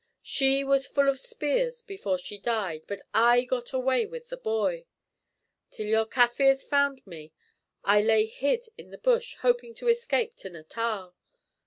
She was full of spears before she died, but I got away with the boy. Till your Kaffirs found me I lay hid in the bush, hoping to escape to Natal.